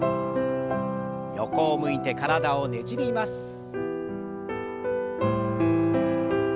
横を向いて体をねじります。